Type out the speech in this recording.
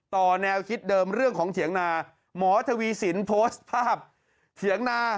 แนวคิดเดิมเรื่องของเถียงนาหมอทวีสินโพสต์ภาพเถียงนา